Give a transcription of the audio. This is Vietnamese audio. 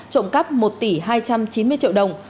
trộm cắp một tỷ hai trăm chín mươi triệu đồng